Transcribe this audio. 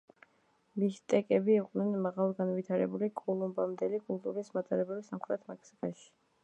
მიჰტეკები იყვნენ მაღალგანვითარებული კოლუმბამდელი კულტურის მატარებლები სამხრეთ მექსიკაში.